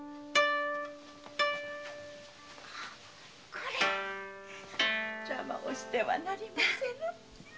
これ邪魔をしてはなりませぬ。